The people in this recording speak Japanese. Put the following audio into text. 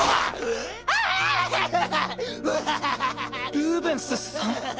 ルーベンスさん？